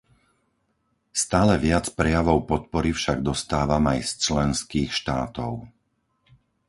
Stále viac prejavov podpory však dostávam aj z členských štátov.